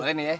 boleh nih ya